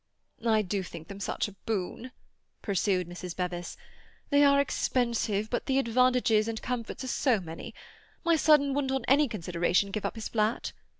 "I do think them such a boon," pursued Mrs. Bevis. "They are expensive but the advantages and comforts are so many. My son wouldn't on any consideration give up his flat.